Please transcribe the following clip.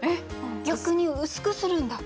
逆に薄くするんだ。